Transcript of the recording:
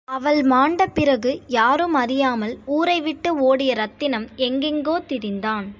அவள் மாண்ட பிறகு, யாரும் அறியாமல் ஊரை விட்டு ஓடிய ரத்தினம், எங்கெங்கோ திரிந்தான்.